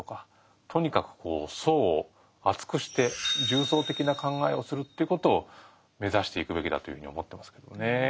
とにかくこう層を厚くして重層的な考えをするということを目指していくべきだというふうに思ってますけどもね。